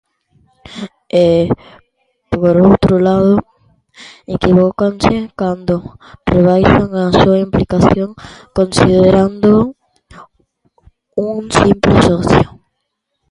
E, por outro lado, equivócanse cando rebaixan a súa implicación considerándoo un simple socio.